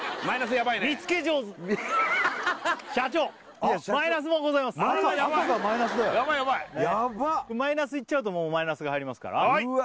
ヤバいヤッバマイナスいっちゃうともうマイナスが入りますからうわ